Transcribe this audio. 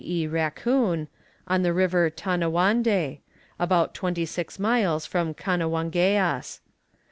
e. Racoon,) on the river Tanawànde, about twenty six miles from Kanawangeas.